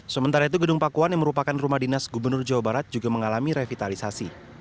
sementara itu gedung pakuan yang merupakan rumah dinas gubernur jawa barat juga mengalami revitalisasi